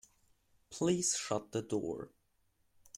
Please shut the door.